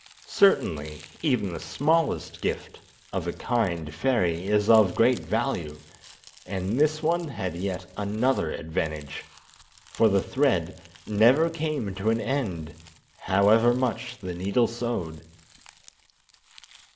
Certainly even the smallest gift of a kind fairy is of great value, and this one had yet another advantage, for the thread never came to an end, however much the needle sewed.